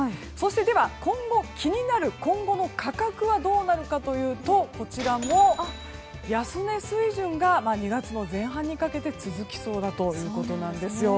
そして、気になる今後の価格はどうなるかというと安値水準が２月前半にかけて続きそうだということです。